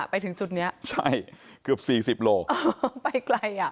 ไปถึงจุดเนี้ยใช่เกือบสี่สิบโลไปไกลอ่ะ